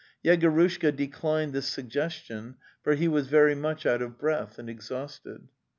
Yego rushka declined this suggestion, for he was very much out of breath and exhausted.